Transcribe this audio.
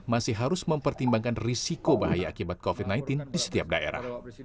masih harus mempertimbangkan risiko bahaya akibat covid sembilan belas di setiap daerah